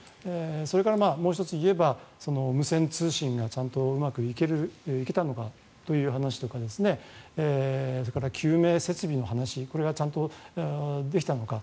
それからもう１つ言えば無線通信がちゃんとうまくいけたのかという話とかそれから救命設備の話これがちゃんとできたのか。